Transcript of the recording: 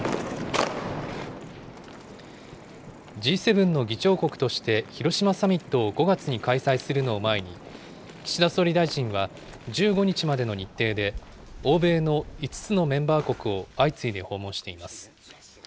Ｇ７の議長国として、広島サミットを５月に開催するのを前に、岸田総理大臣は、１５日までの日程で欧米の５つのメンバー国を相次いで訪問しています。